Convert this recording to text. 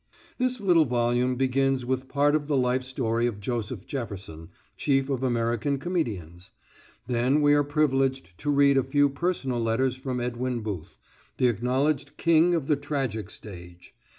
This little volume begins with part of the life story of Joseph Jefferson, chief of American comedians. Then we are privileged to read a few personal letters from Edwin Booth, the acknowledged king of the tragic stage.